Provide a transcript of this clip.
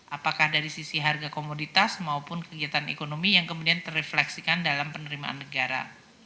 apakah dari sisi harga komoditas maupun kegiatan ekonomi yang kemudian terefleksikan dalam penerimaan negara